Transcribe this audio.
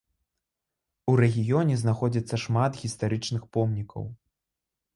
У рэгіёне знаходзіцца шмат гістарычных помнікаў.